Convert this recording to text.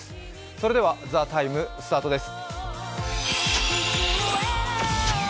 それでは「ＴＨＥＴＩＭＥ，」スタートです。